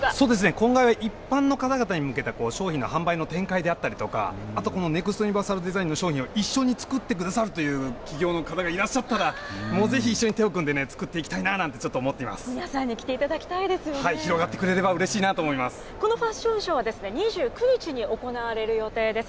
今後は一般の方々へ向けた商品の販売の展開であったりとか、あとこのネクスト・ユニバーサル・デザインの商品を一緒に作ってくださるという企業の方がいらっしゃったら、ぜひ手を組んで作っていきたいな、なんて思っていま皆さんに着ていただきたいで広がってくれればうれしいなこのファッションショーはですね、２９日に行われる予定です。